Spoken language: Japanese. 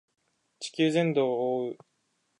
地球全土を覆う